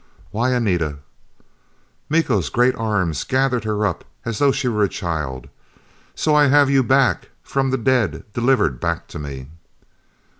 "Why, Anita!" Miko's great arms gathered her up as though she were a child. "So I have you back! From the dead, delivered back to me!"